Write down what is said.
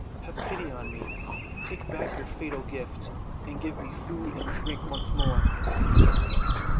Have pity on me! Take back your fatal gift, and give me food and drink once more!"